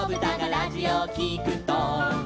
「ラジオをきくと」